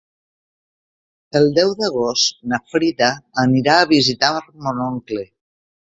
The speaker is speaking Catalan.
El deu d'agost na Frida anirà a visitar mon oncle.